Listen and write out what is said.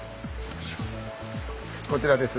こちらです。